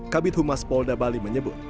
kabit humas polda bali menyebut